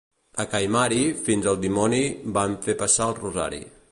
A Caimari fins al dimoni van fer passar el rosari.